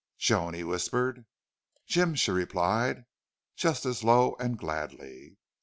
"Joan," he whispered. "Jim," she replied, just as low and gladly.